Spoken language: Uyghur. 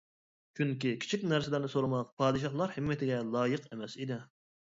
چۈنكى، كىچىك نەرسىلەرنى سورىماق پادىشاھلار ھىممىتىگە لايىق ئەمەس ئىدى.